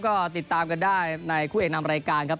ก็ติดตามกันได้ในคู่เอกนำรายการครับ